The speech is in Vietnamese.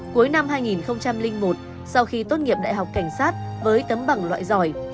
cuối năm hai nghìn một sau khi tốt nghiệp đại học cảnh sát với tấm bằng loại giỏi